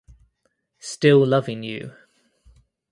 Still loving you.